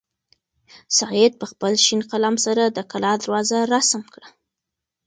سعید په خپل شین قلم سره د کلا دروازه رسم کړه.